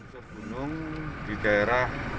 gunung di daerah